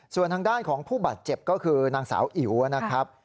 ส่วนทางด้านของผู้บาดเจ็บก็คือนางสาวอิ๋วนะครับ